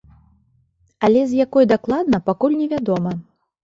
Але з якой дакладна, пакуль невядома.